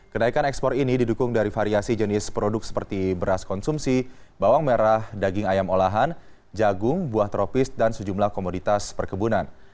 kenaikan ekspor ini didukung dari variasi jenis produk seperti beras konsumsi bawang merah daging ayam olahan jagung buah tropis dan sejumlah komoditas perkebunan